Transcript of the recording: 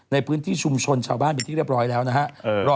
ในพื้นที่ชุมชนชาวบ้านเป็นที่เรียบร้อยแล้วนะฮะ